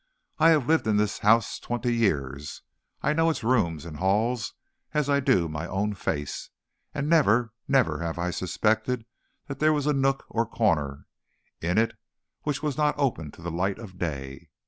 "I have lived in this house twenty years. I know its rooms and halls as I do my own face, and never, never have I suspected that there was a nook or corner in it which was not open to the light of day.